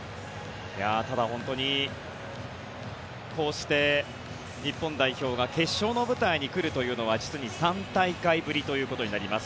ただ、本当にこうして日本代表が決勝の舞台に来るというのは実に３大会ぶりということになります。